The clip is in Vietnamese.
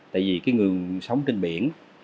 tại vì cái người sống trên biển